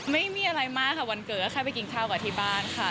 ไม่มีอะไรมากค่ะวันเกิดก็แค่ไปกินข้าวกับที่บ้านค่ะ